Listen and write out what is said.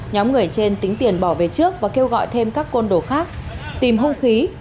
nhóm người trên tính tiền bỏ về trước và kêu gọi thêm các con đổ khác tìm hung khí